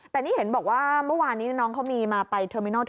แต่นี่เห็นบอกว่าเมื่อวานนี้น้องเขามีมาไปเทอร์มินอล